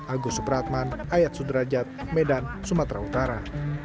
agus supratman ayat sudrajat medan sumatera utara